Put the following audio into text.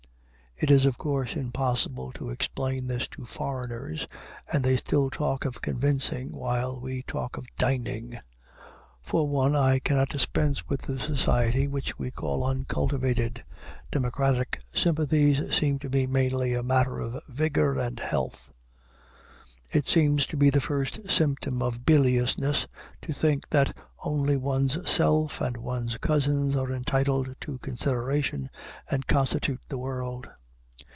It is of course impossible to explain this to foreigners, and they still talk of convincing, while we talk of dining. For one, I cannot dispense with the society which we call uncultivated. Democratic sympathies seem to be mainly a matter of vigor and health. It seems to be the first symptom of biliousness to think that only one's self and one's cousins are entitled to consideration and constitute the world.